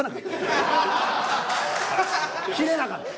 切れなかった。